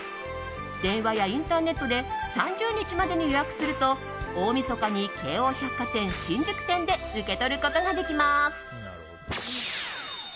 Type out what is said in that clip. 電話やインターネットで３０日までに予約すると大みそかに京王百貨店新宿店で受け取ることができます。